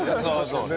そうね。